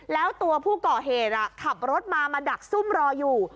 แล้วตัวผู้ก่อเหตุขับรถมามาดักซุ่มรออยู่